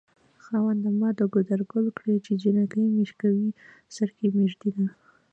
خاونده ما د ګودر ګل کړې چې جنکۍ مې شوکوي سر کې مې ږدينه